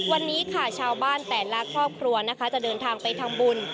วันนี้ค่ะชาวบ้านแต่ละครอบครัวนะคะจะเดินทางไปทำบุญ